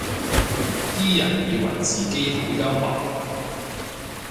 啲人以為自己好幽默